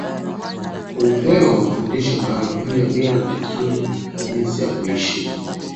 Hupewa mafundisho maalum juu ya mila na desturi na jinsi ya kuishi